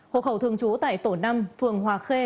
hồ hậu thường chú tại tổ năm phường hòa khê